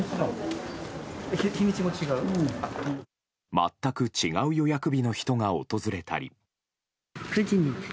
全く違う予約日の人が訪れたり。